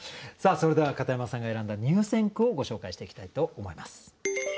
さあそれでは片山さんが選んだ入選句をご紹介していきたいと思います。